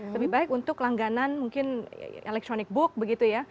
lebih baik untuk langganan mungkin electronic book begitu ya